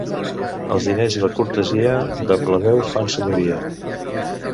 Els diners i la cortesia, de plebeu fan senyoria.